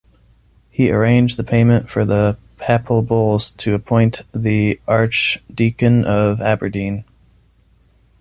He arranged the payment for the Papal bulls to appoint the Archdeacon of Aberdeen.